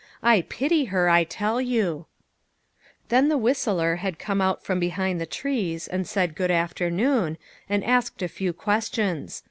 I pity her, I tell you." Then the whistler had come out from behind the trees, and said good afternoon, and asked a few questions.